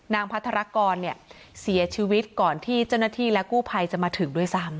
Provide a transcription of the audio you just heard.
พัทรกรเนี่ยเสียชีวิตก่อนที่เจ้าหน้าที่และกู้ภัยจะมาถึงด้วยซ้ำ